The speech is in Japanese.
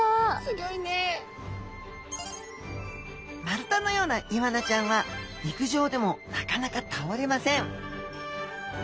丸太のようなイワナちゃんは陸上でもなかなか倒れません！